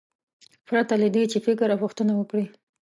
پرته له دې چې فکر او پوښتنه وکړي.